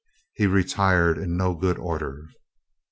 He retired in no good order.